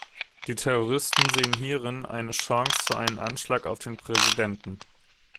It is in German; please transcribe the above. Die Terroristen sehen hierin eine Chance zu einem Anschlag auf den Präsidenten.